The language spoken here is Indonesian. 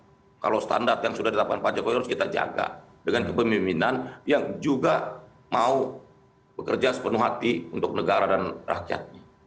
dan apakah itu salah kalau standar yang sudah ditandatangani pak jokowi harus kita jaga dengan kepemimpinan yang juga mau bekerja sepenuh hati untuk negara dan rakyatnya